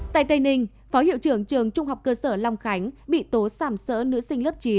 tại tây ninh phó hiệu trưởng trường trung học cơ sở long khánh bị tố sản sỡ nữ sinh lớp chín